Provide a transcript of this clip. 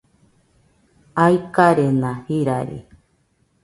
aikarena jirari